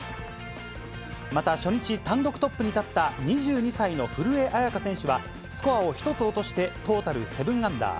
また、初日単独トップに立った２２歳の古江彩佳選手は、スコアを１つ落として、トータル７アンダー。